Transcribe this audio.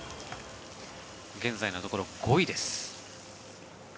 現在のところ５位です。